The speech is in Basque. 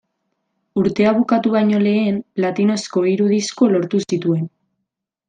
Urtea bukatu baino lehen platinozko hiru disko lortu zituen.